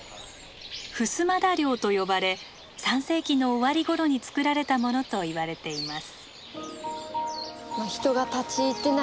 衾田陵と呼ばれ３世紀の終わりごろに造られたものといわれています。